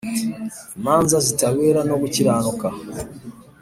imanza zitabera no gukiranuka